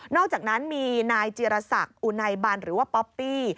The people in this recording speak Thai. อกจากนั้นมีนายจีรศักดิ์อุไนบันหรือว่าป๊อปปี้